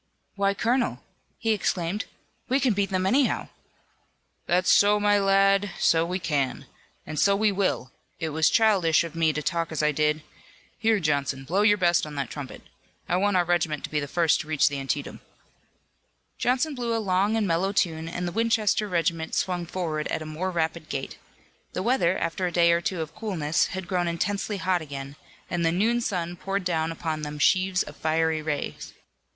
"Why, colonel!" he exclaimed, "we can beat them anyhow!" "That's so, my lad, so we can! And so we will! It was childish of me to talk as I did. Here, Johnson, blow your best on that trumpet. I want our regiment to be the first to reach the Antietam." Johnson blew a long and mellow tune and the Winchester regiment swung forward at a more rapid gait. The weather, after a day or two of coolness, had grown intensely hot again, and the noon sun poured down upon them sheaves of fiery rays.